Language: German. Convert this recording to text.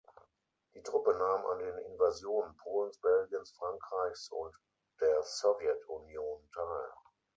Die Truppe nahm an den Invasionen Polens, Belgiens, Frankreichs und der Sowjet-Union teil.